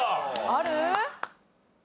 ある？